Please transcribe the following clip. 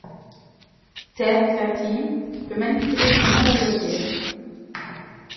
Death Thirteen peut manipuler son monde à loisir.